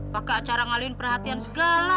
pakai cara ngalihin perhatian segala